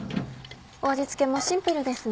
味付けもシンプルですね。